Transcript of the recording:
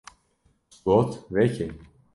Got: ‘’ Veke.